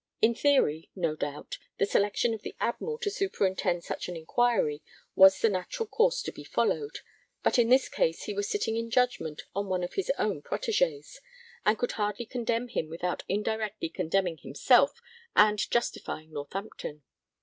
In theory, no doubt, the selection of the Admiral to superintend such an inquiry was the natural course to be followed, but in this case he was sitting in judgment on one of his own protégés, and could hardly condemn him without indirectly condemning himself and justifying Northampton.